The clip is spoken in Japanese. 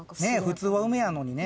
普通は梅やのにね。